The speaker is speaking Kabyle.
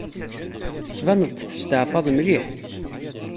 Tettbaneḍ-d testeɛfaḍ mliḥ.